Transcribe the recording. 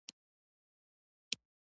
ریښتیا خبرې تل بریالۍ وي